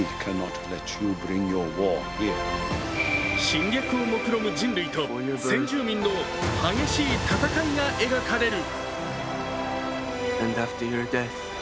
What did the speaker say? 侵略をもくろむ人類と先住民の激しい戦いが描かれる。